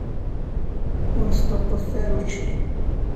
Ur sṭuqqutet ara učči.